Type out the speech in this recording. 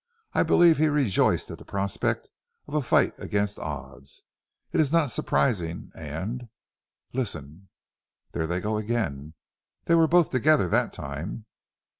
I believed he rejoiced at the prospect of a fight against odds. It is not surprising and Listen! There they go again. They were both together that time."